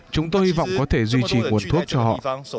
chúng tôi hy vọng có thể duy trì quật thuốc cho họ